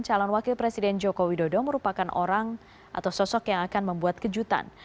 calon wakil presiden joko widodo merupakan orang atau sosok yang akan membuat kejutan